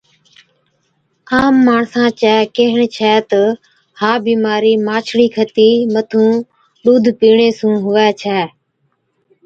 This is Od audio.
عام ماڻسان چَي ڪيهڻ ڇَي تہ ها بِيمارِي ماڇڙِي کتِي مٿُون ڏُوڌ پِيڻي سُون هُوَي ڇَي۔